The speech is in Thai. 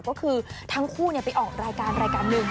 ก็คือทั้งคู่ไปออกรายการมากกว่า